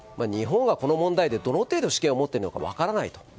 日本がこの問題でどの程度、主権を持っているのか分からないと。